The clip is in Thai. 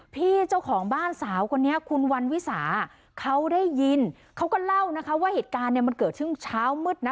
พี่เจ้าของบ้านสาวคนนี้คุณวันวิสาเขาได้ยินเขาก็เล่านะคะว่าเหตุการณ์เนี่ยมันเกิดช่วงเช้ามืดนะ